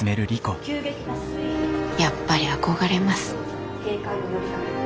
やっぱり憧れます。